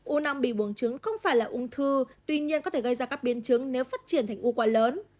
u năng bì bùng trứng không phải là ung thư tuy nhiên có thể gây ra các biên trứng nếu phát triển thành ưu quả lớn